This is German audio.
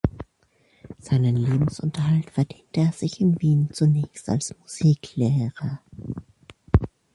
Seinen Lebensunterhalt verdiente er sich in Wien zunächst als Musiklehrer.